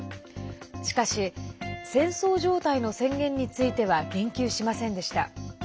しかし戦争状態の宣言については言及しませんでした。